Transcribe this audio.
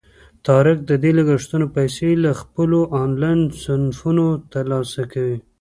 طارق د دې لګښتونو پیسې له خپلو آنلاین صنفونو ترلاسه کوي.